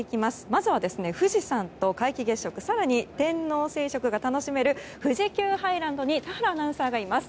まずは富士山と皆既月食更に、天王星食が楽しめる富士急ハイランドに田原アナウンサーがいます。